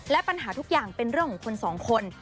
และปัญหาทุกอย่างเป็นเรื่องของคนสองคน